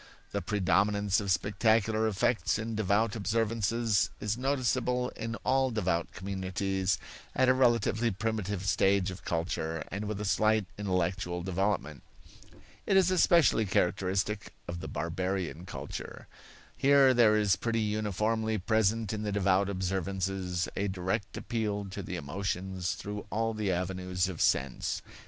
The predominance of spectacular effects in devout observances is noticeable in all devout communities at a relatively primitive stage of culture and with a slight intellectual development. It is especially characteristic of the barbarian culture. Here there is pretty uniformly present in the devout observances a direct appeal to the emotions through all the avenues of sense.